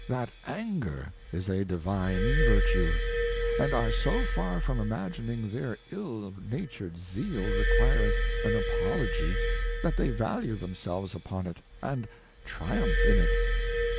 That Anger is a Divine Vertue ; and are so far from imagining their ill natur'd Zeal requireth an Apology, that they value themselves upon it, and triumph in it.